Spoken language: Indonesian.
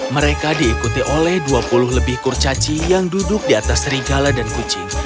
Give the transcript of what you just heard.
mereka diikuti oleh dua puluh lebih kurcaci yang duduk di atas serigala dan kucing